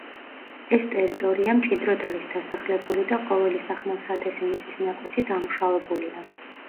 ეს ტერიტორია მჭიდროდ არის დასახლებული და ყოველი სახნავ–სათესი მიწის ნაკვეთი დამუშავებულია.